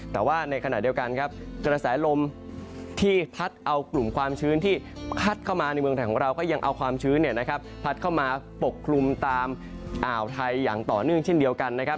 แต่ว่าในขณะเดียวกันครับกระแสลมที่พัดเอากลุ่มความชื้นที่พัดเข้ามาในเมืองไทยของเราก็ยังเอาความชื้นพัดเข้ามาปกคลุมตามอ่าวไทยอย่างต่อเนื่องเช่นเดียวกันนะครับ